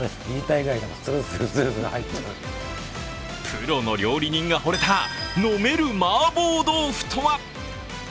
プロの料理人がほれた、飲める麻婆豆腐とは。